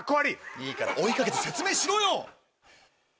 いいから追い掛けて説明しろよ！